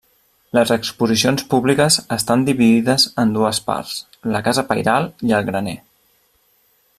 Les exposicions públiques estan dividides en dues parts: la casa pairal i el graner.